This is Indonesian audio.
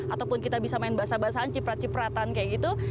ataupun kita bisa main basah basahan ciprat cipratan kayak gitu